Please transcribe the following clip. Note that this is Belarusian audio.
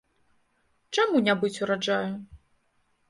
Чаму не быць ураджаю?